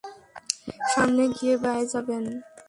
সামনে গিয়ে বায়ে যাবেন।